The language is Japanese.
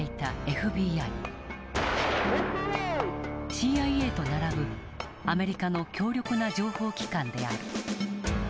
ＣＩＡと並ぶアメリカの強力な情報機関である。